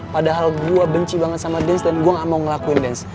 padahal gue benci banget sama dance dan gue gak mau ngelakuin dance